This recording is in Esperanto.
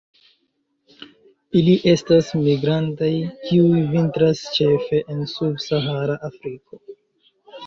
Ili estas migrantaj, kiuj vintras ĉefe en subsahara Afriko.